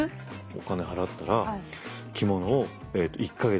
お金払ったら着物を１か月